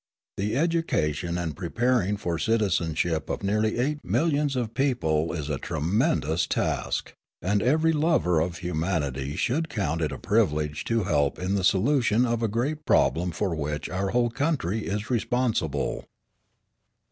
The education and preparing for citizenship of nearly eight millions of people is a tremendous task, and every lover of humanity should count it a privilege to help in the solution of a great problem for which our whole country is responsible.